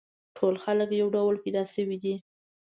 ټول خلک یو ډول پیدا شوي دي.